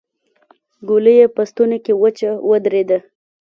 ګولۍ يې په ستونې کې وچه ودرېده.